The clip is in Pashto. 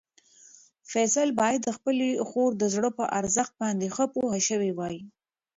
فیصل باید د خپلې خور د زړه په ارزښت باندې ښه پوه شوی وای.